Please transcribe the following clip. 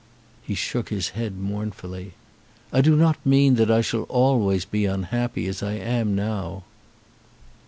He shook his head mournfully. "I do not mean that I shall always be unhappy, as I am now."